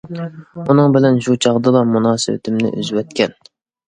ئۇنىڭ بىلەن شۇ چاغدىلا مۇناسىۋىتىمنى ئۈزۈۋەتكەن.